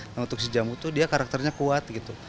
nah untuk si jamu tuh dia karakternya kuat gitu